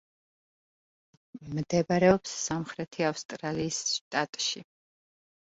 მდებარეობს სამხრეთი ავსტრალიის შტატში.